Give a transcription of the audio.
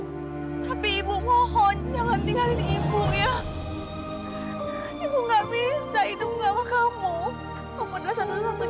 tapi ibu mohon jangan tinggalin ibu ya ibu nggak bisa hidup sama kamu adalah satu satunya